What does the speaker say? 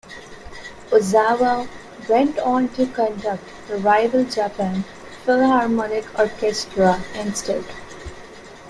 Ozawa went on to conduct the rival Japan Philharmonic Orchestra instead.